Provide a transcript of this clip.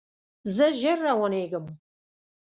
زه ژر روانیږم